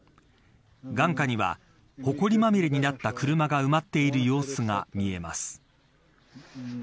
眼下には、ほこりまみれになった車が埋まっている様子が見えます。